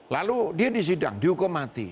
lalu dia disidang dihukum mati